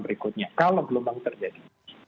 berikutnya kalau gelombang terjadi